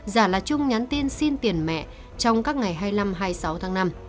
giả là trung nhắn tin xin tiền mẹ trong các ngày hai mươi năm hai mươi sáu tháng năm